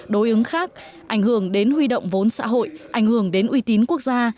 đối ứng khác ảnh hưởng đến huy động vốn xã hội ảnh hưởng đến uy tín quốc gia